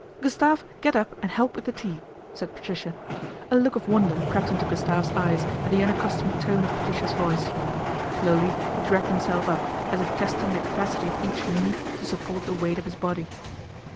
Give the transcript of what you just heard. " Gustave, get up and help with the tea," said Patricia. A look of wonder crept into Gustave's eyes at the unaccustomed tone of Patricia's voice. Slowly he dragged himself up, as if testing the capacity of each knee to support the weight of his body.